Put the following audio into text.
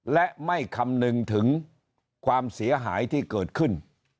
และไม่คำนึงถึงความเสียหายที่เกิดขึ้น